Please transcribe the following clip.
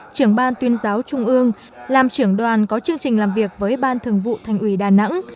trưởng ban tuyên giáo trung ương làm trưởng đoàn có chương trình làm việc với ban thường vụ thành ủy đà nẵng